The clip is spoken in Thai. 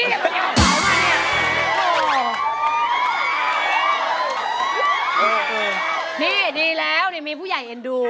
นี่ดีแล้วนี่มีผู้ใหญ่เอ็นดู